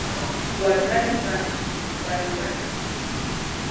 Wandani wa Lindi walibaki kusononeka